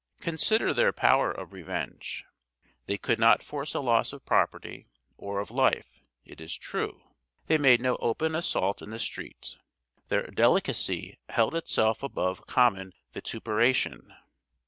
Consider their power of revenge. They could not force a loss of property or of life, it is true; they made no open assault in the street; their 'delicacy' held itself above common vituperation.